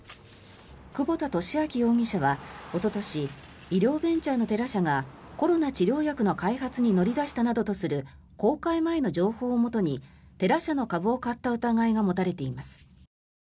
久保田俊明容疑者はおととし医療ベンチャーのテラ社がコロナ治療薬の開発に乗り出したなどとする公開前の情報をもとにテラ社の株を買った疑いが持たれています。